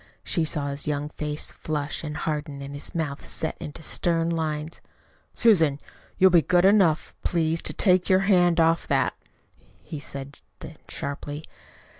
She saw his young face flush and harden and his mouth set into stern lines. "Susan, you'll be good enough, please, to take your hand off that," he said then sharply.